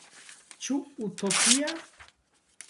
Ĉu utopia?